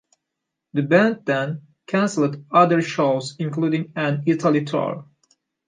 The band then cancelled other shows including an Italy tour.